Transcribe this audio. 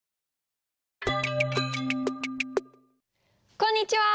こんにちは。